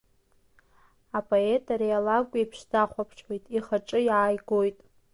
Апоет ари алакә еиԥш дахәаԥшуеит, ихаҿы иааигоит…